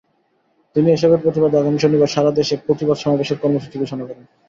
তিনি এসবের প্রতিবাদে আগামী শনিবার সারা দেশে প্রতিবাদ সমাবেশের কর্মসূচি ঘোষণা করেন।